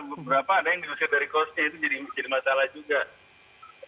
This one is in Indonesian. beberapa ada yang diusir dari kosnya itu jadi masalah juga